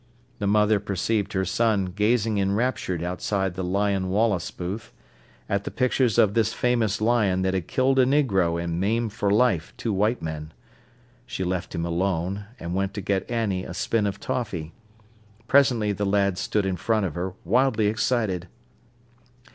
The mother perceived her son gazing enraptured outside the Lion Wallace booth, at the pictures of this famous lion that had killed a negro and maimed for life two white men. She left him alone, and went to get Annie a spin of toffee. Presently the lad stood in front of her, wildly excited.